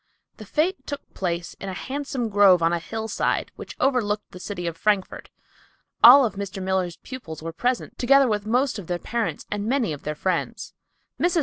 The fete took place in a handsome grove on a hillside which overlooked the city of Frankfort. All of Mr. Miller's pupils were present, together with most of their parents and many of their friends. Mrs.